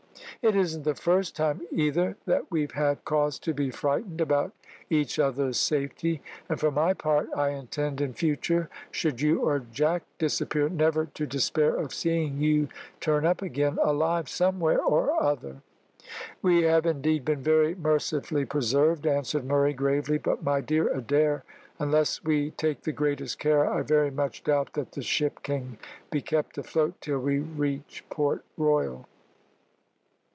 "It isn't the first time either that we've had cause to be frightened about each other's safety; and for my part I intend in future, should you or Jack disappear, never to despair of seeing you turn up again alive somewhere or other." "We have indeed been very mercifully preserved," answered Murray, gravely. "But, my dear Adair, unless we take the greatest care, I very much doubt that the ship can be kept afloat till we reach Port Royal."